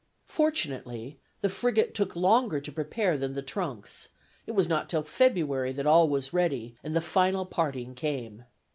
Fortunately, the frigate took longer to prepare than the trunks; it was not till February that all was ready, and the final parting came.